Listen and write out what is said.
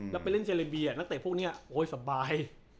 แล้วไปเล่นเจรเบียนักเตะพวกนี้โอ๊ยสบาย